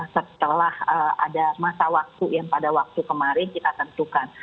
setelah ada masa waktu yang pada waktu kemarin kita tentukan